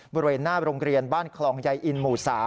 บริเวณหน้าโรงเรียนบ้านคลองใยอินหมู่๓